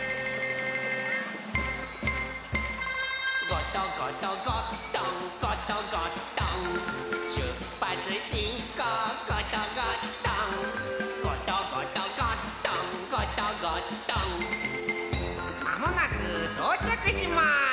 「ゴトゴトゴットンゴトゴットン」「しゅっぱつしんこうゴトゴットン」「ゴトゴトゴットンゴトゴットン」まもなくとうちゃくします！